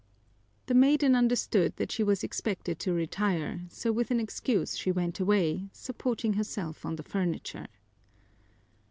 The maiden understood that she was expected to retire, so with an excuse she went away, supporting herself on the furniture.